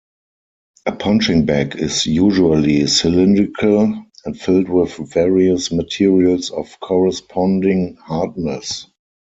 A punching bag is usually cylindrical, and filled with various materials of corresponding hardness.